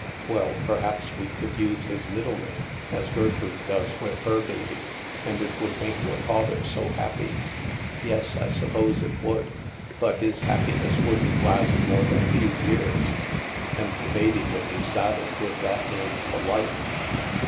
" Well, perhaps we could use his middle name, as Gertrude does with her baby. And it would make your father so happy." " Yes, I suppose it would. But his happiness wouldn't last more than a few years, and the baby would be saddled with that name for life."